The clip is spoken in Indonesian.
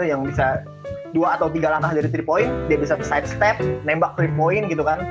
yang bisa dua atau tiga langkah dari three point dia bisa sidestep nembak three point gitu kan